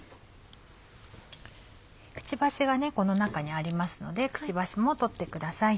くちばしがこの中にありますのでくちばしも取ってください。